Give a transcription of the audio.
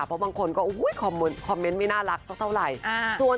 เพราะบางคนขอมูลคอมเม้นท์มีน่ารักสเต่าไหร่